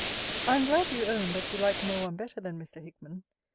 I am glad you own, that you like no one better than Mr. Hickman.